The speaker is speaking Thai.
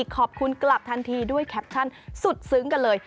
ขอบคุณกลับทันทีด้วยแคปชั่นสุดซึ้งกันเลย